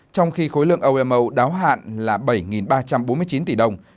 trong khi khối lượng omo đáo hạn là bảy ba trăm bốn mươi chín tỷ đồng